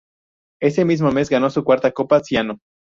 Ese mismo mes ganó su cuarta Coppa Ciano.